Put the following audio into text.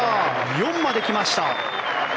４まで来ました！